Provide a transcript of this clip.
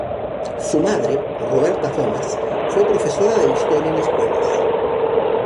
Su madre, Roberta Thomas, fue profesora de historia en escuelas.